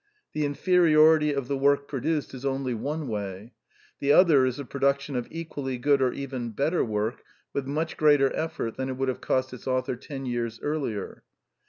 The inferiority of the work produced is only one way. .The other is the production of equally good or even better work with much greater effort than it would have cost its author ten years earlier.